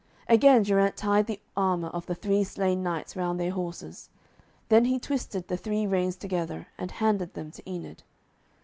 Again Geraint tied the armour of the three slain knights round their horses. Then he twisted the three reins together, and handed them to Enid.